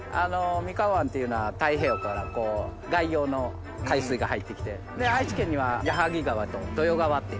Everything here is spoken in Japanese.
三河湾っていうのは太平洋から外洋の海水が入ってきて愛知県には矢作川と豊川っていうのが。